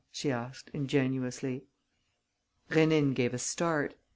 she asked, ingenuously. Rénine gave a start.